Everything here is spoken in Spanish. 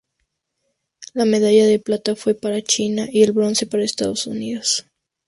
La medalla de plata fue para China y el bronce para Estados Unidos.